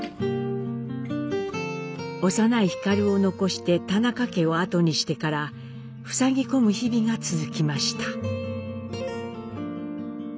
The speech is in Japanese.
幼い皓を残して田中家を後にしてからふさぎ込む日々が続きました。